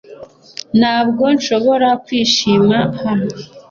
Ntabwo nshobora kwishima hano